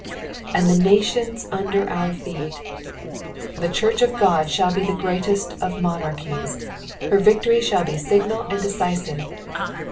^ And the tiationt under our feet." The church of God shall be the greatost of monfirchies, her victory shall be signal and decisive.